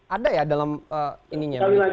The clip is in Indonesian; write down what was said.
ada ya dalam ininya